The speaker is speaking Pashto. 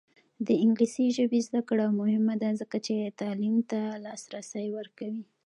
د انګلیسي ژبې زده کړه مهمه ده ځکه چې تعلیم ته لاسرسی ورکوي.